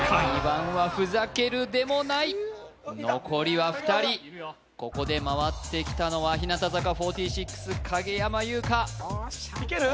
２番は「ふざける」でもない残りは２人ここで回ってきたのは日向坂４６影山優佳いける？